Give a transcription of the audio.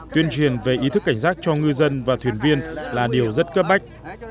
tuyên truyền về ý thức cảnh giác cho ngư dân và thuyền viên là điều rất cấp bách